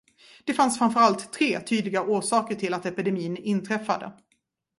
Det fanns framförallt tre tydliga orsaker till att epidemin inträffade.